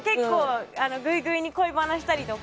ぐいぐいに恋バナしたりとか。